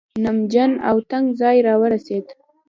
نمجن او تنګ ځای راورسېد.